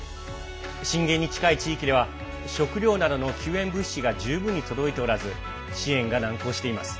震源に近い地域では食料などの救援物資が十分に届いておらず支援が難航しています。